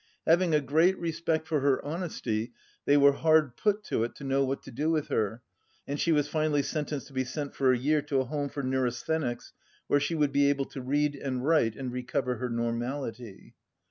Having a great re spect for her honesty, they were hard put to it to know what to do with her, and she was finally sentenced to be sent for a year to a home for neurasthenics, "where she would be able to read and write and recover her normality."